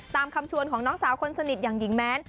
ตามคำชวนของน้องสาวคนสนิทอย่างหญิงแม้น